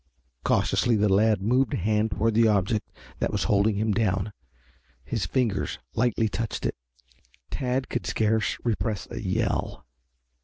Cautiously the lad moved a hand toward the object that was holding him down. His fingers lightly touched it. Tad could scarce repress a yell.